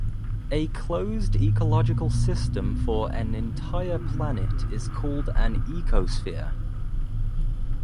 A closed ecological system for an entire planet is called an ecosphere.